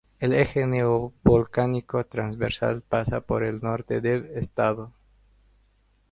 El Eje Neovolcánico Transversal pasa por el norte del estado.